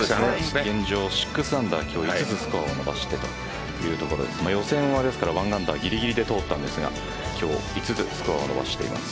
現状６アンダー今日５つスコアを伸ばしてというところで予選は１アンダーぎりぎりで通ったんですが今日５つスコアを伸ばしています。